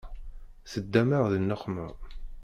Teddam-aɣ di nneqma.